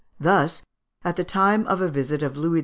Thus, at the time of a visit of Louis XI.